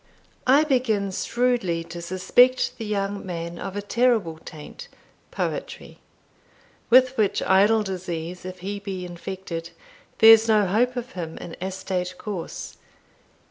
I begin shrewdly to suspect the young man of a terrible taint Poetry; with which idle disease if he be infected, there's no hope of him in astate course.